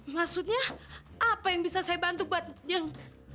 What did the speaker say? maksudnya apa yang bisa saya bantu buat yang